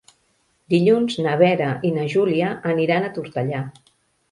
Dilluns na Vera i na Júlia aniran a Tortellà.